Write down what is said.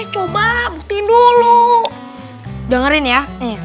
coba buktiin dulu dengerin ya